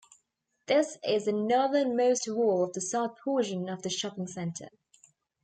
This is the northernmost wall of the South portion of the shopping centre.